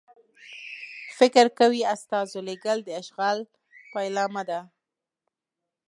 فکر کوي استازو لېږل د اشغال پیلامه ده.